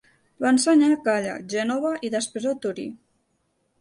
Va ensenyar a Càller, Gènova i després a Torí.